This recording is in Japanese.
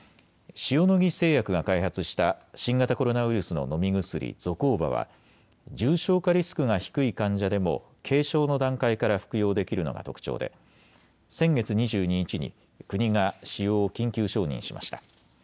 塩野義製薬が開発した新型コロナウイルスの飲み薬、ゾコーバは重症化リスクが低い患者でも軽症の段階から服用できるのが特徴で先月２２日に国が使用を緊急承認しました。